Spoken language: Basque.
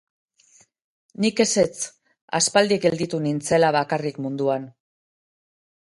Nik ezetz, aspaldi gelditu nintzela bakarrik munduan.